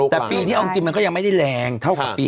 แต่ปีนี้เอาจริงมันก็ยังไม่ได้แรงเท่ากับปี๒